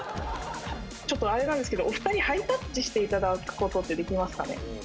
ちょっとあれなんですけど、お２人、ハイタッチしていただくことってできますかね。